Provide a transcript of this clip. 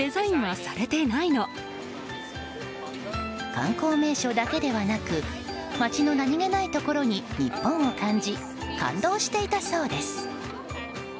観光名所だけではなく街の何気ないところに日本を感じ感動していたそうです。